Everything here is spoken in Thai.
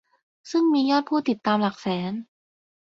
ซึ่งมียอดผู้ติดตามหลักแสน